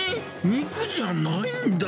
肉じゃないんだ。